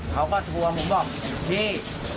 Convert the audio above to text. เขาก็ทัวร์ผมบอกที่